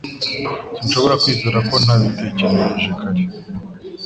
Sinshobora kwizera ko ntabitekereje kare